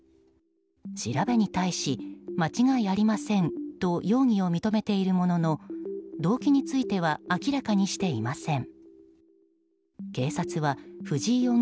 調べに対し間違いありませんと容疑を認めているものの動機については明らかにしていません。